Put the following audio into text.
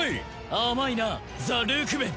甘いなザ・ルークメン！